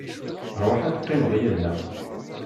Rwaḥ ad teqqimeḍ yid-neɣ.